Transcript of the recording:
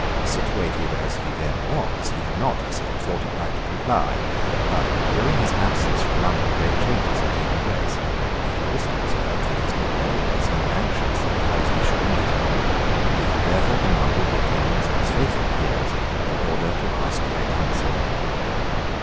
Situated as he then was, he had not, he said, thought it right to comply. But, during his absence from London, great changes had taken place. He had also observed that his people everywhere seemed anxious that the Houses should meet. He had therefore commanded the attendance of his faithful Peers, in order to ask their counsel.